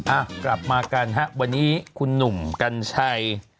อ่ะกลับมากันฮะวันนี้คุณหนุ่มกัญชัย